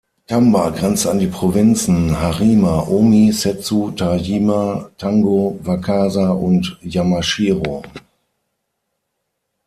Tamba grenzte an die Provinzen Harima, Ōmi, Settsu, Tajima, Tango, Wakasa und Yamashiro.